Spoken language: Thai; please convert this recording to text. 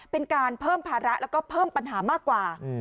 เป็นการเพิ่มภาระแล้วก็เพิ่มปัญหามากกว่า